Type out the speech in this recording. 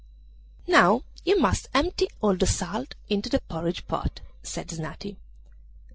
'Now you must empty all the salt into the porridge pot,' said Snati.